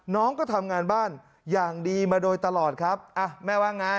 น้องก็ทำงานบ้านอย่างดีมาโดยตลอดครับอ่ะแม่ว่าไง